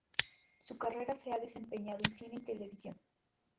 Su carrera se ha desempeñado en cine y televisión.